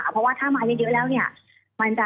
เพราะว่าถ้ามาเยอะแล้วเนี่ย